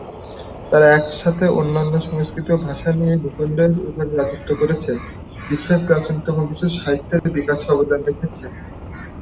তারা একসাথে অনন্য সংস্কৃতি ও ভাষা নিয়ে এই ভূখণ্ডের উপরে রাজত্ব করেছে, বিশ্বের প্রাচীনতম কিছু সাহিত্যের বিকাশে অবদান রেখেছে।